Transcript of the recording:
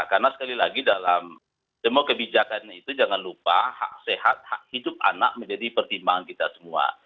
karena sekali lagi dalam demo kebijakan itu jangan lupa hak sehat hak hidup anak menjadi pertimbangan kita semua